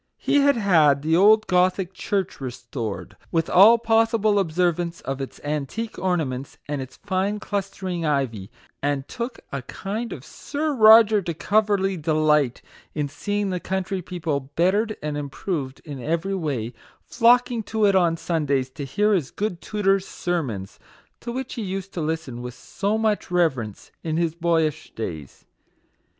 He had had the old Gothic church restored, with all possible observance of its antique orna ments and its fine clustering ivy; and took a kind of Sir Roger de Coverley delight in seeing the country people, bettered and improved in every way, flocking to it on Sundays to hear his good tutor's sermons, to which he used to listen with so much reverence in his boyish days.